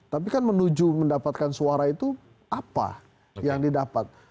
tapi kan menuju mendapatkan suara itu apa yang didapat